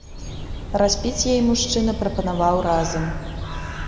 Распіць яе мужчына прапанаваў разам.